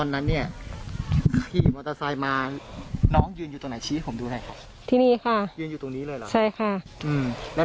ไม่มีค่ะ